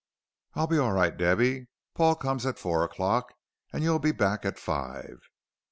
"I'll be all right, Debby. Paul comes at four o'clock, and you'll be back at five."